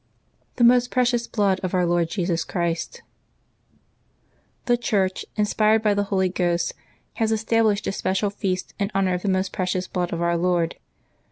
THE MOST PRECIOUS BLOOD OF OUR LORD JESUS CHRIST. ^^HE Church, inspired by the Holy Ghost, has estab V^ lished a special feast in honor of the Most Precious Blood of Our Lord.